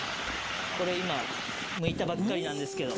これ今むいたばっかりなんですけど。